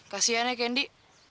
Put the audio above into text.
kasian ya candy